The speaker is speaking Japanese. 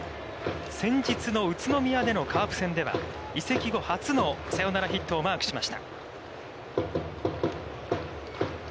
先日の宇都宮でのカープ戦では移籍後初のサヨナラヒットをマークしました。